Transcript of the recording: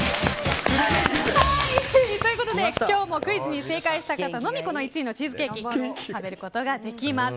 今日もクイズに正解した方のみこの１位のチーズケーキ食べることができます。